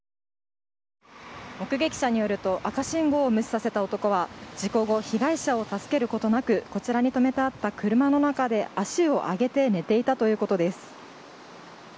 目撃者によると赤信号を無視させた男は事故後、被害者を助けることなくこちらに止めてあった車の中で足を上げて寝ていたということです。